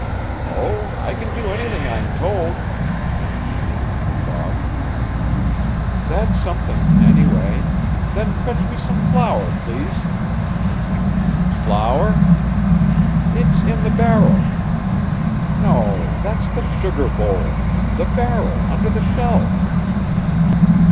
"Oh, I can do anything I am told," came eagerly from Bob. "That's something, anyway. Then fetch me some flour, please." "Flour?" "It's in the barrel. No, that's the sugar bowl. The barrel under the shelf."